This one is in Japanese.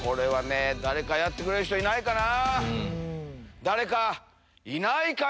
誰かやってくれる人いないかな？